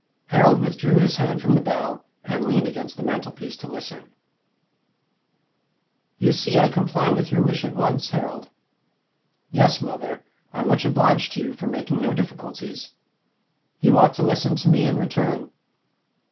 Harold withdrew his hand from the bell, and leaned against the mantelpiece to listen. "You see I comply with your wish at once, Harold?" "Yes, mother, I'm much obliged to you for making no difficulties." "You ought to listen to me in return."